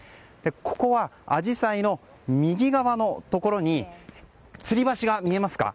ここはアジサイの右側のところにつり橋が見えますか？